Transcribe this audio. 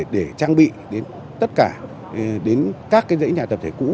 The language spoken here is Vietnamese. để trang bị đến tất cả đến các dãy nhà tập thể cũ